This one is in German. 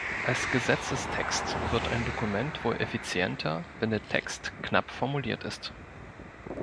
Als Gesetzestext wird ein Dokument wohl effizienter, wenn der Text knapp formuliert ist.